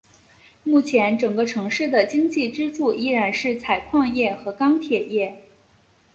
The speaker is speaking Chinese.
目前整个城市的经济支柱依然是采矿业和钢铁业。